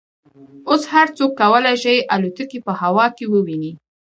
اوس هر څوک کولای شي الوتکې په هوا کې وویني